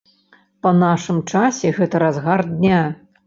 Па нашым часе гэта разгар дня.